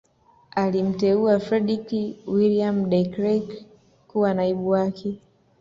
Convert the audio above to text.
Alimteua Fredrick Willeum De Krelk kuwa naibu wake